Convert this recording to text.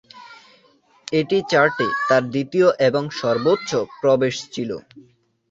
এটি চার্টে তার দ্বিতীয় এবং সর্বোচ্চ প্রবেশ ছিল।